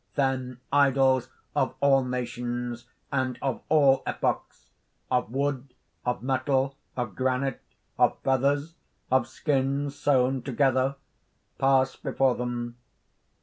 (_Then idols of all nations and of all epochs of wood, of metal, of granite, of feathers, of skins sewn together, pass before them.